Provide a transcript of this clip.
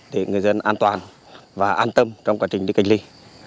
để người dân an toàn và an tâm trong quá trình đi cách ly